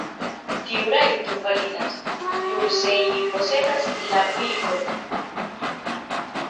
Tiu rajto validas, nur se ili posedas la pilkon.